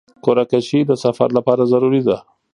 قرعه کشي د سفر لپاره ضروري ده.